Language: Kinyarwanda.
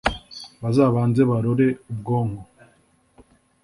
bazabanze barore ubwonko